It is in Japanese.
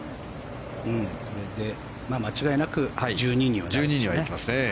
これで間違いなく１２にはなりますね。